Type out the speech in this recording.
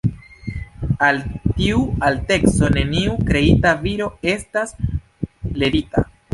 Al tiu alteco neniu kreita viro estas levita.